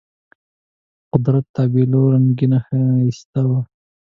د قدرت تابلو رنګینه ښایسته وه.